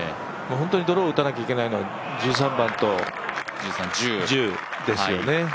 本当に泥を打たなきゃいけないのは１３番と１０ですよね。